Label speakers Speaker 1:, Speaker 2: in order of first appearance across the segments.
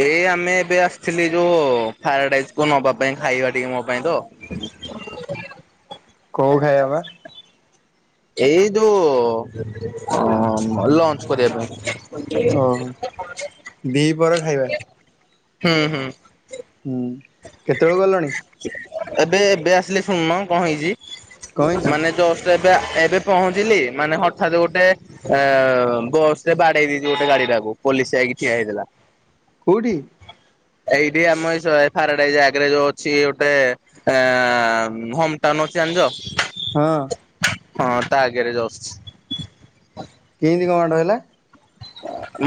Speaker 1: ଏଇ ଆମେ ଏବେ ଆସିଥିଲି ଯୋଉ ପାରାଡାଇଜ କୁ ନବା ପାଇଁ ଖାଇବା ଟିକେ ମୋ ପାଇଁ ତ। [inaudible]
Speaker 2: କଉ ଖାଇବ ପା।
Speaker 1: ଏଇ ଯୋଉ ଲଞ୍ଚ କରିବା ପାଇଁ।
Speaker 2: ଓହୋ ଦିପହର ଖାଇବା
Speaker 1: ହୁଁ ହୁଁ।
Speaker 2: ହୁଁ। କେତେବେଳକୁ ଗଲଣି
Speaker 1: ଏବେ ଏବେ ଆସିଲେ। ଶୁଣୁନ କଣ ହେଇଛି
Speaker 2: କଣ ହେଇଛି
Speaker 1: ମାନେ ଯଷ୍ଟ। ଏ ଏବେ ପହଞ୍ଚିଲି ମାନେ ହଠାତ୍ ଗୋଟେ ଅ ବସରେ ବାଡେଇ ଦେଇଛି ଗୋଟେ ଗାଡି ଟାକୁ। ଆ ପୋଲିସ ଯାଇକି ଠିଆ ହେଇଥିଲା।
Speaker 2: କୋଉଠି?
Speaker 1: ଏଇଠି ଆମ ଏଇ ହାରଡ ଜାଗରେ ଯୋଉ ଅଛି ଗୋଟେ ଅ ହୋମ ଟାଉନ ଅଛି ଜାଣିଛ?
Speaker 2: ହଁ।
Speaker 1: ହଁ ତା ଆଗରେ ଯାଉଛି।
Speaker 2: କେମିତି କଣ ମାଡ ହେଲା?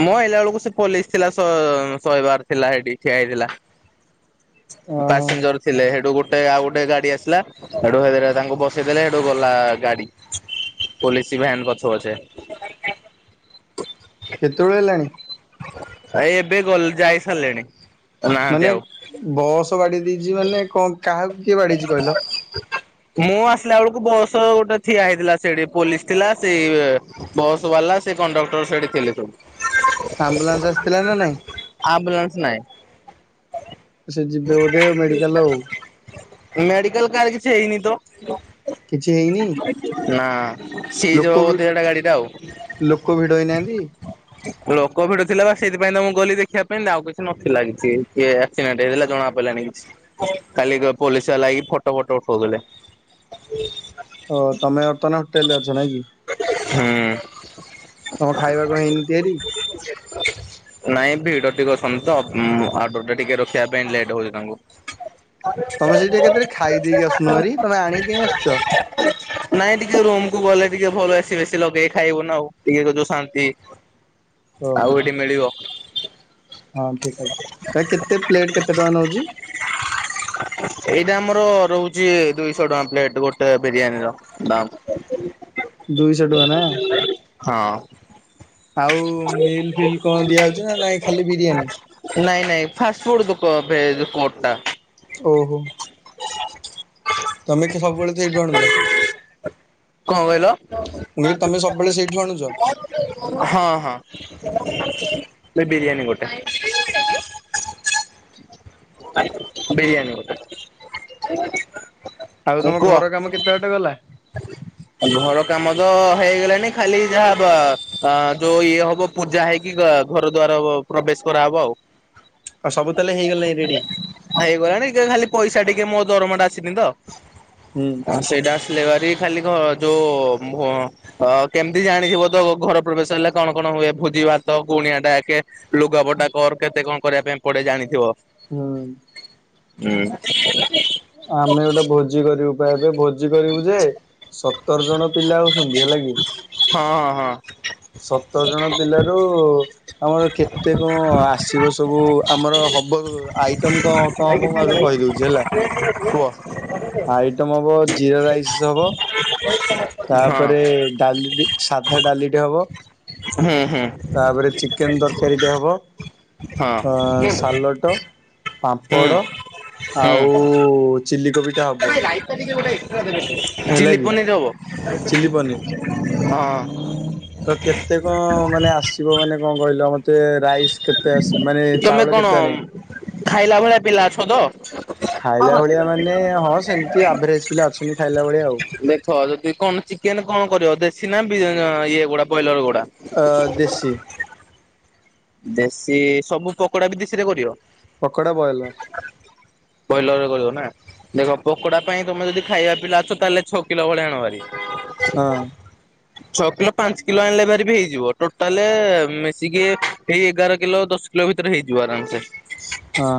Speaker 1: ମୋ ଆଇଲା ବେଳକୁ ସେ ପୋଲିସ ଥିଲା ଶହେବାର ଥିଲା ସେଠି ଠିଆ ହେଇଥିଲା।
Speaker 2: ଓହୋ
Speaker 1: ପାସେଞ୍ଜର ଥିଲେ ସେଠୁ ଗୋଟେ ଗୋଟେ ଆଉ ଗୋଟେ ଗାଡି ଆସିଲା ଏଠୁ ହେରେ ତାଙ୍କୁ ବସେଇଦେଲେ ଏଠୁ ଗଲା ଗାଡି। ପୋଲିସ ଭ୍ୟାନ୍ ପଛ ପଛେ।
Speaker 2: କେତେବେଳେ ହେଲାଣି?
Speaker 1: ଆ ଏବେ ଗଲ ଯାଇ ସାରିଲେଣି। ନାହାନ୍ତି
Speaker 2: ମାନେ
Speaker 1: ଆଉ।
Speaker 2: ବସ ବାଡି ଦେଇେଇଛି ମାନେ କଣ କାହାକୁ କିଏ ବାଡେଇଛି କହିଲ?
Speaker 1: ମୁଁ ଆସିଲା ବେଳକୁ ବସ ଗୋଟେ ଠିଆ ହେଇଥିଲା ସେଠି ପୋଲିସ ଥିଲା ସେଇ ବସ୍ ବାଲା ସେ କଣ୍ଡକ୍ଟର ସେଠି ଥିଲେ ସବୁ।
Speaker 2: ଆମ୍ବୁଲାନ୍ସ ଆସିଥିଲା ନା ନାଇଁ?
Speaker 1: ଆମ୍ବୁଲନ୍ସ ନାହିଁ।
Speaker 2: ସେ ଯିବେ ବୋଧେ ମେଡିକାଲ ଆଉ।
Speaker 1: ମେଡିକାଲ କାହାର କିଛି ହେଇନି ତ? ନା
Speaker 2: କିଛି ହେଇନି?
Speaker 1: ସେଇ
Speaker 2: ଲୋକ
Speaker 1: ଯୋଉ
Speaker 2: ବି
Speaker 1: ବୋଧେ ଏଟା ଗାଡି ଟା ଆଉ।
Speaker 2: ଲୋକ ଭିଡ ହେଇ ନାହାନ୍ତି?
Speaker 1: ଲୋକ ଭିଡ ଥିଲା ବା ସେଇଥିପାଇଁ ତ ମୁଁ ଗଲି ଦେଖିବା ପାଇଁ ଆଉ କିଛି ନଥିଲା କିଛି କିଏ ଆକ୍ସିଡେଣ୍ଟ ହେଇଥିଲା ଜଣା ପଡ଼ିଲାନି। ଖାଲି ପୋଲିସ ବାଲାହେଇକି ଫଟୋ ଫଟ ଉଠଉଥିଲେ।
Speaker 2: ତ ତମେ ବର୍ତ୍ତମାନ ହୋଟେଲ ରେ ଅଛ ନାଇଁ କି?
Speaker 1: ହୁଁ।
Speaker 2: ତମ ଖାଇବାକୁ ହେଇନି ତିଆରି?
Speaker 1: [inaudible] ନାଇଁ ଭିଡ ଟିକେ ଅଛନ୍ତି ତ ଆଉଡର ଟା ଟିକେ ରଖିବା ପାଇଁ ଲେଟ ହଉଛି ତାଙ୍କୁ।
Speaker 2: ତମେ ସେଇଠି ଏକା ଥରେ ଖାଇ ଦେଇକି ଆସୁନ ହେରି ତମେ ଆଣିକି କାଇଁ ଆସୁଛ?
Speaker 1: ନାଇଁ ଟିକେ ରୁମ କୁ ଗଲେ ଟିକେ ଭଲ ବସି ବେଶୀ ଲଗେଇ ଖାଇବୁ ନା ଆଉ ଟିକେ ଯଉ ଶାନ୍ତି।
Speaker 2: ଓହୋ।
Speaker 1: ଆଉ ଏଠି ମିଳିବ।
Speaker 2: ହଁ ଠିକ ଅଛି ତା କେତେ ପ୍ଲେଟ କେତେ ଟଙ୍କା ନଉଛି?
Speaker 1: ଏଇଟା ଆମର ରହୁଛି ଦୁଇଶହ ଟଙ୍କା ପ୍ଲେଟ ଗୋଟେ ବିରିୟାନୀର ଦାମ୍।
Speaker 2: ଦୁଇଶହ ଟଙ୍କା ନା?
Speaker 1: ହଁ।
Speaker 2: ଆଉ ମିଲ୍ ଫିଲ୍ କଣ ଦିଆ ହଉଛି ନା ନାଇ ଖାଲି ବିରିୟାନୀ?
Speaker 1: ନାଇଁ ନାଇଁ ଫାଷ୍ଟ ଫୁଡଟା କଡଟା।
Speaker 2: ଓହୋ। ତମେ କି ସବୁବେଳେ ତ ସେଇଠୁ ଆଣୁଛ?
Speaker 1: କଣ କହିଲ?
Speaker 2: ମୁଁ କହିଲି ତମେ ସବୁବେଳେ ସେଇଠୁ ଆଣୁଛ
Speaker 1: ହଁ ହଁ। ଏ ବିରିୟାନୀ ଗୋଟେ। ବିରିୟାନୀ ଗୋଟେ।
Speaker 2: ଆଉ ତମ ଘର କାମ କେତେ ବାଟ ଗଲା?
Speaker 1: ହ ଘର କାମ ତ ହେଇଗଲାଣି ଖାଲି ଯାହା ଦ୍ୱ -ଆ ଯୋଉ ଇଏ ହବ ପୂଜା ହେଇକି। ଘର ଦୁଆର ବ ପ୍ରବେଶ କରାହବ ଆଉ।
Speaker 2: ଆଉ ସବୁ ତାଏଲେ ହେଇଗଲାଇଁ ରେଡି।
Speaker 1: ଯେ ଖାଲି ପଇସା ଟିକେ ମୋ ଦରମା ଟା ଆସିନି ତ
Speaker 2: ହୁଁ
Speaker 1: ସେଇଟା ଆସିଲେ। ଖାଲି ଘ ଯୋଉ ଭୋ - ଅ -କେମିତି ଜାଣିଥିବ ତ ଘର ପ୍ରବେଶ ହେଲେ କଣ କଣ ହୁଏ ଭୋଜି। ଭାତ କୁଣିଆ ଡକେ ଲୁଗାପଟା କର କେତେ କଣ କରିବା ପାଇଁ ପଡେ ଜାଣିଥିବ।
Speaker 2: ହୁଁ।
Speaker 1: ଉଁ।
Speaker 2: ଆମେ ଗୋଟେ ଭୋଜି କରିବୁ ବା ଏବେ ଭୋଜି କରିବୁ ଯେ। ସତର ଜଣ ପିଲା ହଉଛନ୍ତି ହେଲା କି।
Speaker 1: ହଁ ହଁ
Speaker 2: ସତର ଜଣ ପିଲାରୁ। ଆମର କେତେ କଣ ଆସିବ ସବୁ ଆମର ହବ ଆଇଟମ କଣ କଣ ହବ ମୁଁ ଆଗେ କ
Speaker 1: ଆ
Speaker 2: ଆଇଟମ ହବ ଜିରା ରାଇସ ହବ।
Speaker 1: ହଁ
Speaker 2: ତାପରେ ଡାଲି ସାଧା ଡାଲିଟେ ହବ।
Speaker 1: ହୁଁ ହୁଁ
Speaker 2: ତାପରେ ଚିକେ ଚିକେନ୍ ତରକାରୀଟା ହେବ
Speaker 1: ହଁ
Speaker 2: ସାଲଟ।
Speaker 1: ହୁଁ
Speaker 2: ପାମ୍ପଡ଼
Speaker 1: ହୁଁ।
Speaker 2: ଆଉ ଚିଲି କୋବି ଟା। ହେଲା
Speaker 1: ଚିଲି
Speaker 2: କି
Speaker 1: ପନିର
Speaker 2: ଚିଲି ପନିର
Speaker 1: ହବ ହଁ।
Speaker 2: ତ କେତେ କଣ ମାନେ ଆସିବ ମାନେ କଣ କହିଲ ମତେ। ରାଇସ୍ କେତେ ଆସି ମାନେ
Speaker 1: ତମେ
Speaker 2: ଚାଉଳ
Speaker 1: କଣ
Speaker 2: କେତେ ଆଣିବି।
Speaker 1: ଖାଇଲା ଭଳିଆ ପିଲା ଅଛ ତ।
Speaker 2: ଖାଇଲା ଭଳିଆ ମାନେ ହଁ ସେମିତି ଆଭରେଜ ପିଲା ଅଛନ୍ତି ଖାଇଲା ଭଳିଆ ଆଉ।
Speaker 1: ଦେଖ ଯଦି କଣ ଚିକେନ କଣ କରିବ ଦେଶୀ ନା ବି ଇଏଗୁଡା ବ୍ରଏଲର ଗୁଡା।
Speaker 2: ଆ ଦେଶୀ।
Speaker 1: ଦେଶୀ ସବୁ ପକୋଡା ବି ଦେଶୀରେ କରିବ।
Speaker 2: ପକୋଡ଼ା ବଏଲର।
Speaker 1: ବଏଲର ରେ କରିବ ନା ଦେଖ ପୋକୋଡା ପାଇଁ ତମେ ଯଦି ଖାଇବା ପିଲା ଅଛ ତାହେଲେ ଛଅ କିଲୋ ଭଳିଆ ଆଣ ଭାରି।
Speaker 2: ହଁ
Speaker 1: ଛଅ କିଲ ପାଞ୍ଚ କିଲ ଆଣିଲେ ଭାରି ବି ହେଇଯିବ ଟୋଟାଲ ମିଶିକି। ସେଇ ଏଗାର କିଲୋ ଦଶ କିଲୋ ଭିତରେ ହେଇଯିବ ଆରାମସେ।
Speaker 2: ହଁ।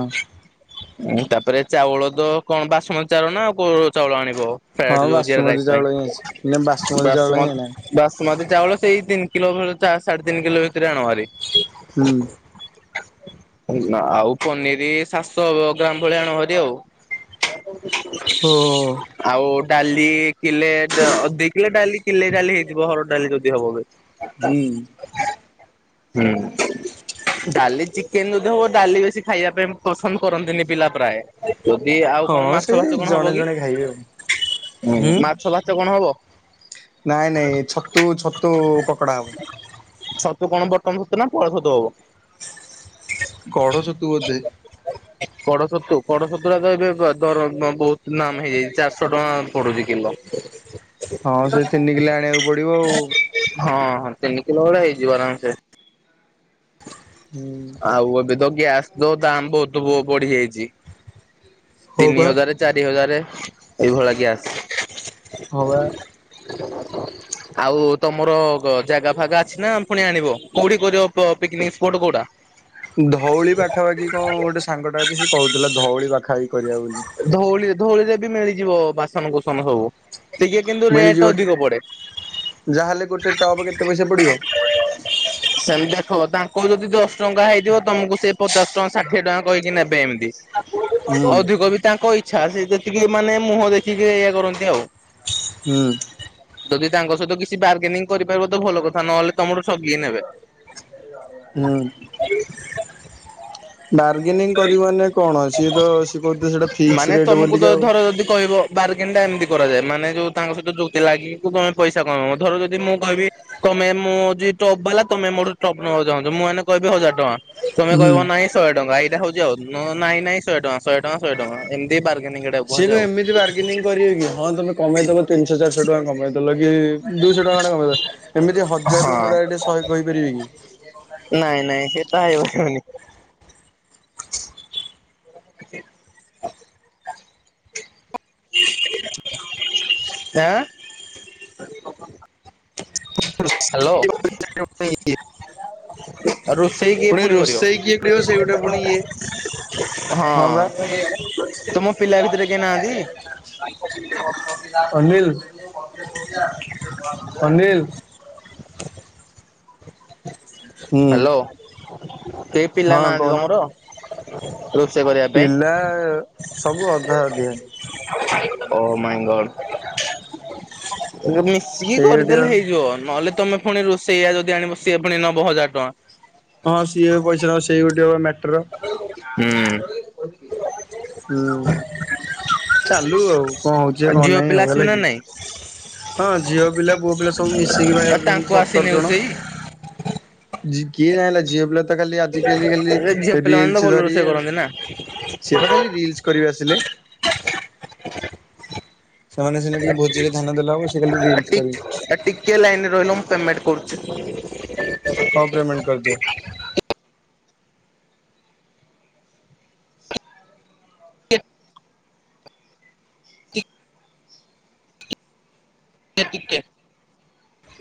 Speaker 1: ଉଁ ତାପରେ ଚାଉଳ ତ କଣ ବାସୂମତୀ ଚାଉଳ ନା ଆଉ କୋଉ ଚାଉଳ ଆଣିବ। ଫ୍ରା
Speaker 2: ହଁ
Speaker 1: ଏଡ ଯୋଉ ଜିରା
Speaker 2: ବାସୁମତୀ
Speaker 1: ରାଇସ
Speaker 2: ଚାଉଳ ହିଁ ଅଛି ମାନେ
Speaker 1: ପାଇଁ
Speaker 2: ବାସୁମତୀ ଚାଉଳ ହିଁ
Speaker 1: ବାଶୁମତି
Speaker 2: ଆଣିବା
Speaker 1: ବାସ ମତି ଚାଉଳ ସେଇ ତିନି କିଲୋ ଭଳି ତା ସାଢେ ତିନି କିଲୋ ଭିତରେ ଆଣଭାରି।
Speaker 2: ହୁଁ।
Speaker 1: ଆଉ ପନିର ସାତଶହ ଗ୍ରାମ ଭଳିଆ ଆଣଭାରି ଆଉ। ଆଉ
Speaker 2: ହଁ।
Speaker 1: ଡାଲି କିଲେ ଦ-ଦି କିଲେ ଡାଲି କିଲେ ଡାଲି ହେଇଯିବ ହର ଡାଲି ଯଦି ହବ।
Speaker 2: ହୁଁ।
Speaker 1: ହୁଁ। ଡାଲି ଚିକେନ ଯଦି ହବ ଡାଲି ବେଶୀ ଖାଇବା ପାଇଁ ପସନ୍ଦ କରନ୍ତିନି ପିଲା ପ୍ରାୟ। ଯଦି ଆଉ କଣ
Speaker 2: ହଁ ସେ
Speaker 1: ମାଛ ଫାଚ କଣ ହବ
Speaker 2: ଜଣେ ଜଣେ ଖାଇବେ ଆଉ।
Speaker 1: କି
Speaker 2: ହୁଁ।
Speaker 1: ମାଛ ଫାଚ କଣ ହବ।
Speaker 2: ନାଇଁ ନାଇଁ ଛତୁ ଛତୁ ପକୋଡା ହବ।
Speaker 1: ଛତୁ କଣ ବଟମ୍ ଛତୁ ନା ପଳ ଛତୁ ହବ।
Speaker 2: କଢ ଛତୁ ବୋଧେ।
Speaker 1: ହ କଢ଼ ଛତୁ କଢ଼ ଛତୁୁରାଗ ଏବେ ଦର ବହୁତ ନାମ ହେଇଯାଇଛି ଚାରିଶ ଟଙ୍କା ପଡୁଛି କିଲ।
Speaker 2: ହଁ ସେ ତିନି କିଲେ ଆଣିବାକୁ ପଡିବ ଆଉ।
Speaker 1: ହଁ ହଁ ତିନିକିଲ ଭଳିଆ ହେଇଯିବ ଆରାମସେ।
Speaker 2: ହୁଁ।
Speaker 1: ଆଉ ଏବେ ତ ଗ୍ୟାସ ଦ ଦାମ୍ ବହୁତ ବଢିଯାଇଛି।
Speaker 2: ହଁ ବା।
Speaker 1: ତିନି ହଜାରେ ଚାରି ହଜାରେ ଏଇଭଳା ଗ୍ୟାସ୍।
Speaker 2: ହବା।
Speaker 1: ଆଉ ତମର ଜାଗା ଫାଗା ଅଛି ନା ପୁଣି ଆଣିବ? କୋଉଠି କରିଅ ପିକ୍ନିକ ସ୍ପଟ କଉଟା?
Speaker 2: ଧଉଳି ପାଖାପାଖି କଣ ଗୋଟେ ସାଙ୍ଗଟା ଅଛି ସେ କହୁଥିଲା। ଧଉଳି ପାଖାପାଖି କରିବା ବୋଲି।
Speaker 1: ଧଉଳି ଧଉଳିରେ ବି ମିଳିଯିବ ବାସନ କୁସନ ସବୁ। ଟିକେ କିନ୍ତୁ ରେଟ୍
Speaker 2: ମିଳିଯିବ
Speaker 1: ଅଧିକ ପଡେ।
Speaker 2: ଯାହାହେଲେ ଗୋଟେ ଟପ କେତେ ପଇସା ପଡିବ?
Speaker 1: ହଁ, ତାଙ୍କ ଯଦି ଦଶ ଟଙ୍କା ହେଇଥିବ! ତମକୁ ସେ ପଚାଶ ଟଙ୍କା ଷାଠିଏ ଟଙ୍କା କହିକି ନେବେ ଏମିତି।
Speaker 2: ହୁଁ।
Speaker 1: ଙ୍କ ଇଛା ସେ ଯେତିକି ମାନେ ମୁହଁ ଦେଖିକି ଏଆ କରନ୍ତି ଆଉ।
Speaker 2: ହୁଁ।
Speaker 1: ଯଦି ତାଙ୍କ ସହିତ କିଛି ବାର୍ଗେନିଂ କରିପାରିବ ତ ଭଲ କଥା। ନହେଲେ ତମଡୁ ଠଗି ନେବେ।
Speaker 2: ବାର୍ଗେନିଂ କରିବ ମାନେ କଣ? ସିଏତ ସିଏ କହୁଥିଲେ ସେଟା ଫିକ୍ସ ରେଟ୍ ବୋଲିକା ଆଉ।
Speaker 1: [unintelligible] ଏମଦି। କରାଯାଏ। ମାନେ ଯୋଉ ତାଙ୍କ ସହିତ ଜୋତି ଲାଗିକି ତମେ ପଇସା କମେଇବ। ଧର ଯଦି ମୁଁ କହିବି, କମେ ମୁଁ ଜି ଟପ୍ ବାଲା ତମେ ମୋଠୁ ଟପ୍ ନବାକୁ ଚାହୁଁଚ, ମୁଁ ଏଇନେ କହିବି ହଜାର ଟଙ୍କା ତମେ
Speaker 2: ହୁଁ।
Speaker 1: କହିବ ନାଇଁ, ଶହେ ଟଙ୍କା ଏଇଟା ହଉଛି ଆଉ ନାଇଁ ନାଇଁ ଶହେ ଟଙ୍କା। ଶହେ ଟଙ୍କ ଶହେ ଟଙ୍କା ଏମିତି ବାର
Speaker 2: ସିଏ ବି ଏମିତି ବାର୍ଗେନିଂ କରିବେ କି ହଁ ତମେ କମେଇଦଲ ତିନିଶହ ଚାରିଶହ ଟଙ୍କା କମେଇଦେଲ କି ଦୁଇଶହ ଟଙ୍କା ଟା କଁପେ ଏମିତି ହଜାରରୁ ମୁଁ
Speaker 1: ହଁ
Speaker 2: ଡା ଶହେ କହିପାରିବି କି?
Speaker 1: ନାଇଁ ନାଇଁ ସେପା ହେଇପାରବନି। [inaudible] ଆଁ ହ୍ୟାଲୋ!
Speaker 2: ୍
Speaker 1: ଆଉ ରୋଷେଇ କିଏ ଫୁଣି କରିବ?
Speaker 2: ରୋଷେଇ କିଏ କରିବ ସେଇ ଗୋଟେ ପୁଣି ଇଏ
Speaker 1: ହଁ ତୁମ ପିଲା ଭିତରେ କେହି ନାହାନ୍ତି?
Speaker 2: ଅନେୱ ଅନିଲ। ହୁଁ
Speaker 1: ହ୍ୟାଲୋ! କେହି ପିଲା
Speaker 2: ହଁ
Speaker 1: ନାହାଁନ୍ତି
Speaker 2: କହୁନ
Speaker 1: ତମର? ରୋଷେଇ କରିବା ପାଇଁ?
Speaker 2: ପିଲା ସବୁ ଅଧା ଆଧୀଆ।
Speaker 1: ଓ ମାଇଁ ଗଡ ମିଶିକି
Speaker 2: ଏଇ ଗୋଟେ
Speaker 1: କରିଦେଲେ, ହେଇଯିବ ନହେଲେ ତମେ ଫୁଣି ରୋଷେଇଆ ଯଦି ଆଣିବ ସିଏ ପୁଣି ନବ ହଜାର ଟଆଁ।
Speaker 2: ହଁ ସିଏ ବି ପଇସା ସେଇ ଗୋଟେ ମ୍ୟାଟ
Speaker 1: ହୁଁ।
Speaker 2: ହୁଁ, ଚାଲୁ ଆଉ କଣ ହଉଛି କଣ
Speaker 1: ଝିଅ
Speaker 2: ନାହିଁ
Speaker 1: ପିଲା
Speaker 2: ଆଉ
Speaker 1: ଆସିବେ
Speaker 2: ହେଲା
Speaker 1: ନା
Speaker 2: କି?
Speaker 1: ନାଇଁ
Speaker 2: ହଁ ଝିଅ ପିଲା ପୁଅ ପିଲା ସବୁ ମିଶିକି ବା
Speaker 1: ଆଉ
Speaker 2: ହେଉଛନ୍ତି,
Speaker 1: ତାଙ୍କୁ
Speaker 2: ସତର
Speaker 1: ଆସିନି
Speaker 2: ଜଣ।
Speaker 1: ରୋଷେଇ।
Speaker 2: କିଏ ଜାଣିଲା ଝିଅ ପିଲା ତ ଖାଲି ଆଜିକାଲି ଖାଲି
Speaker 1: ଝିଅ ପିଲାମାନେ ତ
Speaker 2: ରିଲସ୍
Speaker 1: ଭଲ
Speaker 2: ଧରି
Speaker 1: ରୋଷେଇ
Speaker 2: ଆଉ
Speaker 1: କରନ୍ତି ନା
Speaker 2: ସିଏ ପା ଖାଲି ରିଲ୍ସ କରିବେ ଆସିଲେ।
Speaker 1: [inaudible]
Speaker 2: ସେମାନେ ସିନା ଟିକେ ଭୋଜିରେ ଧ୍ୟାନ ଦେଲେ ହବ ସେ ଖାଲି ରିଲସ
Speaker 1: ଟିକ୍
Speaker 2: କରିବେ
Speaker 1: ଟିକେ ଲାଇନରେ ରହିଲ ମୁଁ ପେମେଟ କରୁଛି।
Speaker 2: ହଉ ପେମେଣ୍ଟ କରିଦିଅ।
Speaker 1: ଟିକେ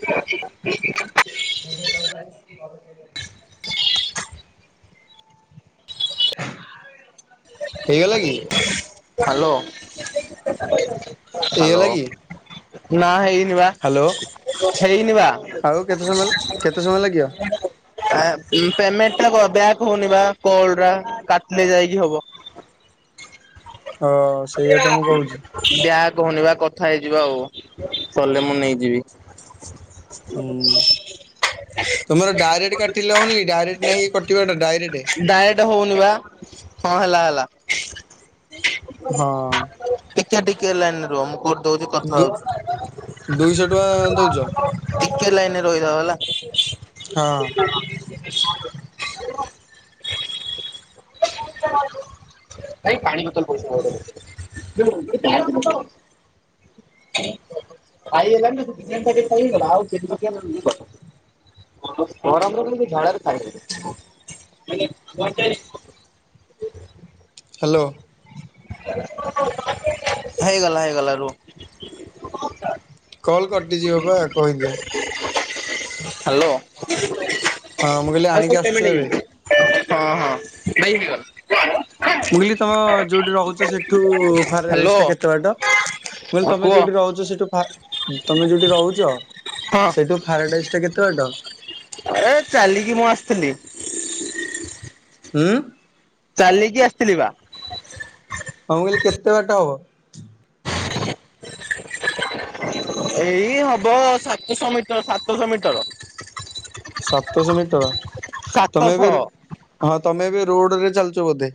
Speaker 1: ଟିକେ।
Speaker 2: ନିଜେ [inaudible] ହେଇଗଲା କି
Speaker 1: ହ୍ୟାଲୋ!
Speaker 2: ଏଇ ହେଲା କି?
Speaker 1: ନା ହେଇନି ବା
Speaker 2: ହ୍ୟାଲୋ
Speaker 1: ହେଇନି ବା।
Speaker 2: ଆଉ କେତେ ସମୟ କେତେ ସମୟ ଲାଗିବ?
Speaker 1: ଆ ପେମେଣ୍ଟ [unintelligible] ବ୍ୟାକ୍ ହଉନି ବା କଲା ଟା କାଟିଲେ ଯାଇକି ହବ।
Speaker 2: ଅ ସେଇଆ ତ ମୁଁ କହୁଛି
Speaker 1: ବ୍ୟାକ୍। କହୁନି ବା କଥା ହେଇଯିବା ଆଉ କଲେ ମୁଁ ନେଇଯିବି। [inaudible]
Speaker 2: ତୁମର ଡାଇରେକ୍ଟ୍ କାଟିଲେ ହଉନି କି ଡାଇରେକ୍ଟ୍ ନାହି କି କଟିବା ଟା ଡାଇରେକ୍ଟ୍
Speaker 1: ହଁଇନିବା ହଁ ହେଲା ହେଲା।
Speaker 2: ହଁ।
Speaker 1: ଟିକେ ଟିକେ ଲାଇନରେ ରୁହ, ମୁଁ [unintelligible] କଲ କରୁଛି କଥା
Speaker 2: ଦୁ
Speaker 1: ହଉଛି।
Speaker 2: ଦୁଇଶହ ଟଙ୍କା ଦଉଛ
Speaker 1: ଟିକେ ଲାଇନ ରେ ରହିଥାଅ ହେଲା।
Speaker 2: ହଁ।
Speaker 1: [inaudible] ଭାଇ ପାଣି ବୋତଲ ପଇସାଟା ଦେବେ। [unintelligible] [unintelligible] ଆାଇଏଲାତ ଆଉ କେ [unintelligible] ଗରମରେ ବି ଏ ଝାଳ ରେ ଖାଇ ହଉନି। [unintelligible]
Speaker 2: ହ୍ୟାଲୋ।
Speaker 1: ହେଇଗଲା ହେଇଗଲା ରୁହ।
Speaker 2: କଲ କଟିଯିବ ପା କହିଦିଅ।
Speaker 1: ହ୍ୟାଲୋ।
Speaker 2: ହଁ ମୁଁ କହିଲି
Speaker 1: ଆଉ ସବୁ
Speaker 2: ଆଣିକି
Speaker 1: ପେମେଣ୍ଟ
Speaker 2: ଆସିଛୁ ଏବେ।
Speaker 1: ହେଇଯାଇଛି। ହଁ ହଁ ନେଇକି [unintelligible]
Speaker 2: ମୁଁ କହିଲି ତମ ଯୋଉଠି ରହୁଛ ସେଠୁ ଫା [unintelligible]
Speaker 1: ହ୍ୟାଲୋ।
Speaker 2: ରେଷ୍ଟ କେତେ ବାଟ। ମୁଁ
Speaker 1: ହଁ
Speaker 2: କହିଲି ତମେ
Speaker 1: କୁହ।
Speaker 2: ଯୋଉଠି ସେଠୁ ଫା ତମେ ଯୋଉଠି ରହୁଛ
Speaker 1: ହଁ।
Speaker 2: ସେଇଠୁ ଫାରାଡାଇସ୍ ଟା କେତେ ବାଟ
Speaker 1: ଏ ଚାଲିକି ମୁଁ ଆସିଥିଲି।
Speaker 2: ହୁଁ।
Speaker 1: ଚାଲିକି ଆସିଥିଲି ବା।
Speaker 2: ହଁ ମୁଁ କହିଲି କେତେ ବାଟ ହବ?
Speaker 1: [inaudible] ଏଇ ହବ ସାତଶହ ମିଟର, ସାତଶହ ମିଟର।
Speaker 2: ସାତଶହ ମିଟର, ତମେ
Speaker 1: ସାତଶହ।
Speaker 2: ଏବେ ହଁ ତମେ ଏବେ ରୋଡରେ ଚାଲୁଚ ବୋଧେ।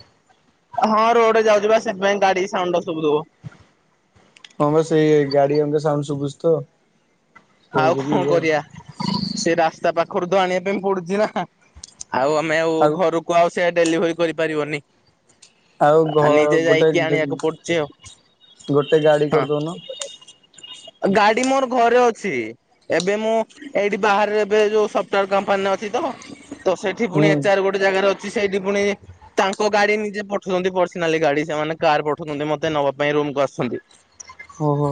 Speaker 1: ହଁ ରୋଡରେ ଯାଉଛି ବା ସେଥିପାଇଁ ଗାଡି ସାଉଣ୍ଡ ଟା ଶୁଭୁ ଥିବ।
Speaker 2: ହଁ ବା ସେଇ ଗାଡି ଅଙ୍କା ସାଉଣ୍ଡ ଶୁଭୁଛି ତ ସେଇ
Speaker 1: ଆଉ
Speaker 2: ଯୋଗୁ
Speaker 1: କଣ
Speaker 2: ଇଏ ଆଉ।
Speaker 1: କରିବା ସେ ରାସ୍ତା ପାଖରୁ ତ ଆଣିବା ପାଇଁ ପଡୁଛି ନା। ଆଉ ଆମେ ଆଉ ଘରକୁ ଆଉ ସେ ଡେଲିଭରି କରିପାରିବନି।
Speaker 2: ଆଉ ଘ
Speaker 1: ଆ ନିଜେ
Speaker 2: ଗୋଟେ
Speaker 1: ଯାଇକି ଆଣିବାକୁ ପଡୁଛି ଆଉ।
Speaker 2: ଗୋଟେ ଗାଡି କରିଦଉନ।
Speaker 1: ଗାଡି ମୋର ଘରେ ଅ ଛି ଏବେ ମୁଁ ଏଇଠି ବାହାରେ ଏବେ ଯୋଉ ସଫ୍ଟୱେର କମ୍ପାନୀରେ ଅଛି ତ। ତ ସେଠି ପୁଣି
Speaker 2: ହୁଁ
Speaker 1: ଏଚ୍ଆର ଗୋଟେ ଜାଗାରେ ଅଛି ତ ସେଇଠି ପୁଣି ତାଙ୍କ ଗାଡି ନିଜେ ପଠଉଛନ୍ତି, ପର୍ସନାଲି ଗାଡି ସେମାନେ କାର ପଠଉଛନ୍ତି ମତେ ନବା ପାଇଁ ରୁ ରମ୍କୁ ଆସୁଛନ୍ତି।
Speaker 2: ହ ହୋ।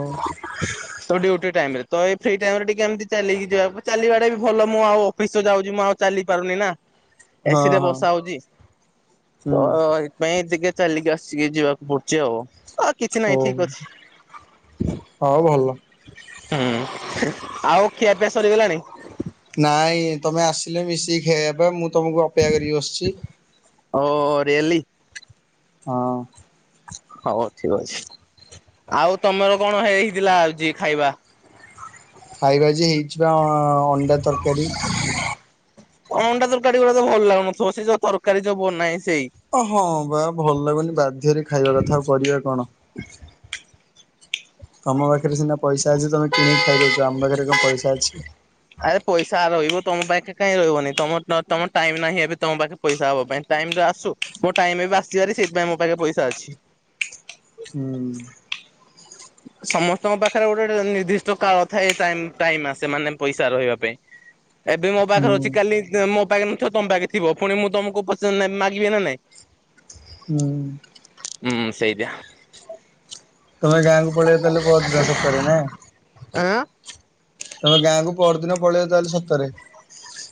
Speaker 1: ତ ଡ୍ୟୁଟି ଟାଇମରେ ତ ଏଇ ଫ୍ରି ଟାଇମ ରେ ଟିକେ ଏମିତି ଚାଲିକି ଯିବା ଚାଲିବାଟା ବି ଭଲ ମୁଁ ଆଉ ଅଫିସ ଯାଉଛି ମୁଁ ଆଉ ଚାଲି ପାରୁନି ନା।
Speaker 2: ହଁ
Speaker 1: ଏସି ରେ
Speaker 2: ହଁ
Speaker 1: ବସା ହଉଚ ତ
Speaker 2: ହୁଁ
Speaker 1: ଏଇଥିପାଇଁ ଟିକେ ଚାଲିକି ଆସିକି ଯିବାକୁ ପଡୁଛି ଆଉ କିଛି ନାହିଁ
Speaker 2: ଓହୋ
Speaker 1: ଠିକ ଅଛି।
Speaker 2: ହଉ ଭଲ।
Speaker 1: ହୁଁ ଆଉ ଖିଆପିଆ ସରିଗଲାଣି।
Speaker 2: ନାଇଁ ତମେ ଆସିଲେ ମିଶିକି ଖାଇବା ପା ମୁଁ ତମକୁ ଅପେକ୍ଷା କରିକି ବସିଚି
Speaker 1: ଓ ରିଏଲି
Speaker 2: ହଁ।
Speaker 1: ହଉ ଠିକ ଅଛି। ଆଉ ତମର କଣ ହେଇଥିଲା ଆଉଜି ଖାଇବା?
Speaker 2: ଖାଇବା ଯେ ହେଇଚି ପା ଅଣ୍ଡା ତରକାରୀ।
Speaker 1: ଅଣ୍ଡା ତରକାରୀ ଗୁଡା ତ ଭଲ ଲାଗୁନଥୁବ ସେଇ ଯୋଉ ତରକାରୀ ଯୋଉ ବନାଏ। ସେଇ।
Speaker 2: ଓହଁ ବା ଭଲ ଲାଗୁନି ବାଧ୍ୟରେ ଖାଇବା କଥା ଆଉ କରିବା କଣ? ତମ ପାଖରେ ସିନା ପଇସା ଅଛି ତମେ କିଣିକି ଖାଇଦଉଚ ଆମ ପାଖରେ କଣ ପଇସା ଅଛି?
Speaker 1: ଆରେ ପଇସା ରଇବ ତମ ପାଖେ କାଇଁ ରଇବନି ତମ ତମ ଟାଇମ ନାହିଁ ଏବେ ତମ ପାଖେ ପଇସା ହବ ପାଇଁ ଟା ଟାଇମ୍ ତ ଆସୁ ମୋ ଟାଇମ ଆସିିବାରି ସେଇଥିପାଇଁ ମୋ ପାଖେ ପଇସା ଅଛି।
Speaker 2: ହୁଁ।
Speaker 1: ସମସ୍ତଙ୍କ ପାଖରେ ଗୋଟେ ଗୋଟେ ନିର୍ଦ୍ଦିଷ୍ଟ କାଳ ଥାଏ ଟାଇମ ଟାଇମ୍ ଆସେ ମାନେ ପଇସା ରହିବା ପାଇଁ। ଏବେ ମୋ
Speaker 2: ହୁଁ
Speaker 1: ପାଖରେ ଅଛି କାଲି ମୋ ପାଖ ତ ତମ ପାଖେ ଥିବ ଫୁଣି ମୁଁ ତମକୁ ପସନ୍ଦ ମାଗିବି ନା ନାଇଁ?
Speaker 2: ହୁଁ।
Speaker 1: ହୁଁ ସେଇଦିଆ।
Speaker 2: ତମେ ଗାଁକୁ ପଳେଇବ ତାହେଲେ ପହଦିନ ସତରେ ନା।
Speaker 1: ଆଁ
Speaker 2: ତମେ ଗାଁକୁ ପରଦିନ ପଳେଇ ତାହେଲେ ସତରେ।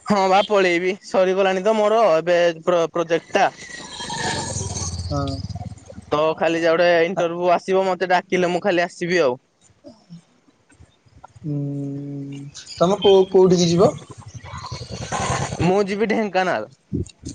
Speaker 1: ହଁ ବା ପଳେଇବି ସରିଗଲାଣି ତ ମୋର ଏବେ ପ୍ରୋ-ପ୍ରୋଜେକ୍ଟ ଟା।
Speaker 2: ହଁ।
Speaker 1: ତ ଖାଲି ଯା ଗୋଟେ ଇଣ୍ଟରଭ୍ୟୁ ଆସିବ ମତେ ଡାକିଲେ ମୁଁ ଖାଲି ଆସିବି ଆଉ।
Speaker 2: ହୁଁ। ତମେ କୋଉ-କୋଉଠିିକି ଯିବ?
Speaker 1: ମୁଁ ଯିବିି ଢେଙ୍କାନାଳ।